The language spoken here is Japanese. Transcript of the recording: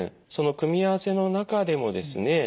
その組み合わせの中でもですね